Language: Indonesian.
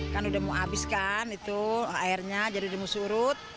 kan udah mau abiskan itu airnya jadi mau surut